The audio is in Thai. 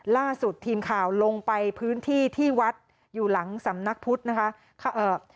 ล่าสุดทีมข่าวลงไปพื้นที่ที่วัดอยู่หลังสำนักพุทธนะคะเอ่อ